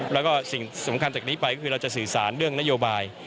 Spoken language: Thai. แล้วก็สิ่งสำคัญจากนี้ไปก็คือเราจะสื่อสารเรื่องนโยบาย